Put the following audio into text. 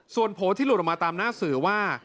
ส่วนโผล่ที่หลุดออกมาตามหน้าสื่อว่า